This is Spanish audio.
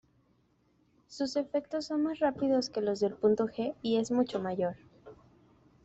Sus efectos son más rápidos que los del Punto G y es mucho mayor.